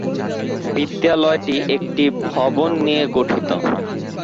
বিদ্যালয়টি একটি ভবন নিয়ে গঠিত।